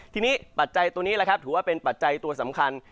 ทีนี้ปัจจัยตัวนี้แหละครับถือว่าเป็นปัจจัยตัวสำคัญ